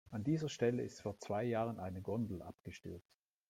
An dieser Stelle ist vor zwei Jahren eine Gondel abgestürzt.